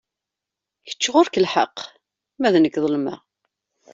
Kečč ɣur-k lḥeqq, ma d nekk ḍelmeɣ.